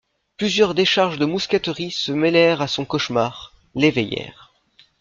Plusieurs décharges de mousqueterie se mêlèrent à son cauchemar, l'éveillèrent.